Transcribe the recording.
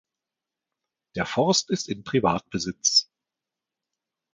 Der Forst ist in Privatbesitz.